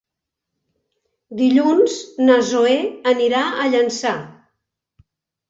Dilluns na Zoè anirà a Llançà.